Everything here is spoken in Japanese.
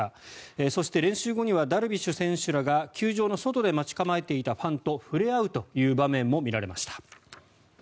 そして、練習後にはダルビッシュ選手らが球場の外で待ち構えていたファンと触れ合うという場面も見られました。